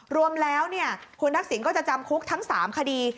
รวมแล้วเนี่ยคุณทักศิลป์ก็จะจำคุกทั้ง๓คดี